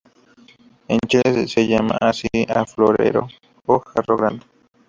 En Chile se llama así al florero o jarro grande.